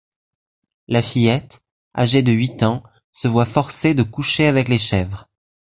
La fillette, âgée de huit ans, se voit forcée de coucher avec les chèvres.